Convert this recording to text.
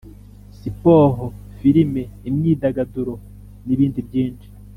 siporo, filime, imyidagaduro n’ibindi byinshi.